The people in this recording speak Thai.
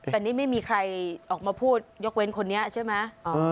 แต่นี่ไม่มีใครออกมาพูดยกเว้นคนนี้ใช่ไหม